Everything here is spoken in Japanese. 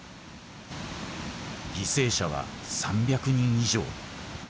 犠牲者は３００人以上。